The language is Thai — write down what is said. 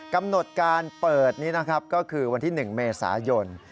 กำหนดการเปิดนี้นะครับก็คือวันที่๑เมษายน